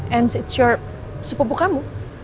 dan itu adalah sepupu kamu